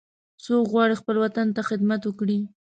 څوک غواړي چې خپل وطن ته خدمت وکړي